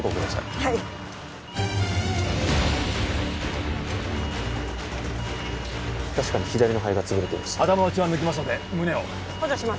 はい確かに左の肺がつぶれています頭の血は抜きますので胸を補助します